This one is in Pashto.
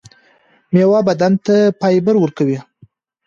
میوه بدن ته فایبر ورکوي